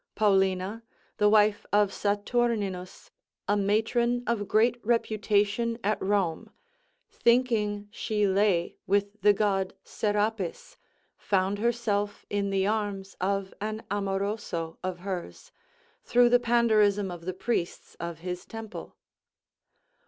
Paulina, the wife of Satuminus, a matron of great reputation at Rome, thinking she lay with the god Serapis, found herself in the arms of an amoroso of hers, through the panderism of the priests of his temple.